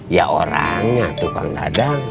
ya orangnya tukang dadang